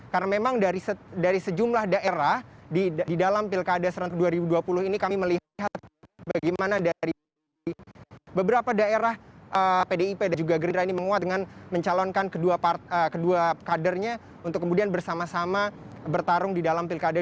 karena memang dari sejumlah daerah di dalam pilkada serentak dua ribu dua puluh ini kami melihat bagaimana dari beberapa daerah pdip dan juga gerindra ini menguat dengan mencalonkan kedua kadernya untuk kemudian bersama sama bertarung di dalam pilkada dua ribu dua puluh